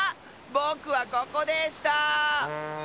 ぼくはここでした！